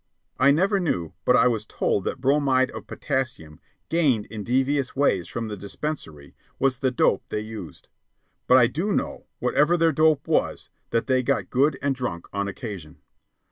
I never knew, but I was told that bromide of potassium, gained in devious ways from the dispensary, was the dope they used. But I do know, whatever their dope was, that they got good and drunk on occasion.